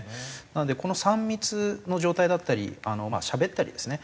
なのでこの３密の状態だったりしゃべったりですね